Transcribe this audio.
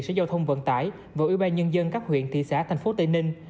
sở giao thông vận tải và ủy ban nhân dân các huyện thị xã tp tây ninh